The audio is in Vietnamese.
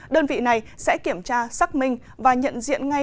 đơn vị này sẽ kiểm tra xác minh và nhận diện ngay